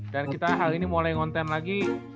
dan kita hari ini mulai konten lagi